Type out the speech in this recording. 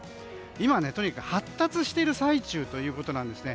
今は発達している最中ということです。